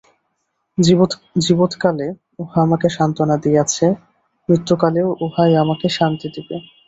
জীবৎকালে উহা আমাকে সান্ত্বনা দিয়াছে, মৃত্যুকালেও উহাই আমাকে শান্তি দিবে।